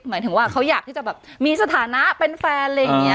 หมายถึงว่าเขาอยากที่จะมีสถานะเป็นแฟน